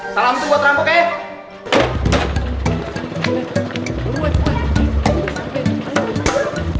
salam itu buat rampok eh